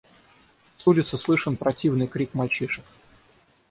С улицы слышен противный крик мальчишек.